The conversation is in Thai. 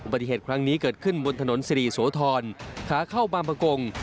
ปฏิเหตุครั้งนี้เกิดขึ้นบนถนนสิริโสธรขาเข้าบางประกง